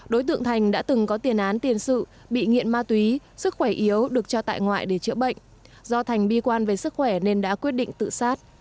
đối tượng thành đã từng có tiền án tiền sự bị nghiện ma túy sức khỏe yếu được cho tại ngoại để chữa bệnh do thành bi quan về sức khỏe nên đã quyết định tự sát